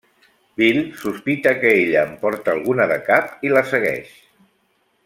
Bill sospita que ella en porta alguna de cap, i la segueix.